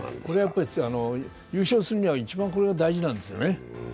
優勝するには一番これが大事なんですよね。